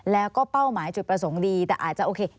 แล้วก็เป้าหมายจุดประสงค์ดีแต่อาจจะโอเค